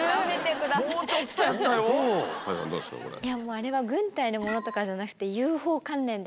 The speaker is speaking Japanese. あれは軍隊のものとかじゃなくて。